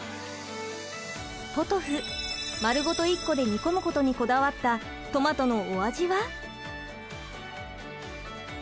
ポトフ丸ごと１個で煮込むことにこだわったトマトのお味は？